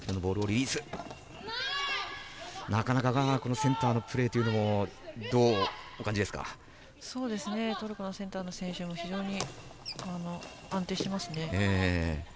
センターのプレーというのはトルコのセンターの選手も非常に安定してますね。